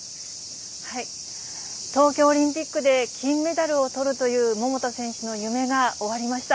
東京オリンピックで金メダルをとるという桃田選手の夢が終わりました。